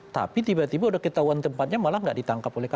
tapi tiba tiba udah ketahuan tempatnya malah nggak ditangkap oleh kpk